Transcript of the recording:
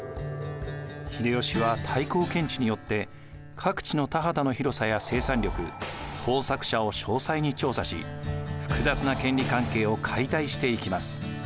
秀吉は太閤検地によって各地の田畑の広さや生産力耕作者を詳細に調査し複雑な権利関係を解体していきます。